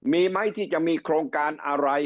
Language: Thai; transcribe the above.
มีไหมที่จะมีโครงการอะไร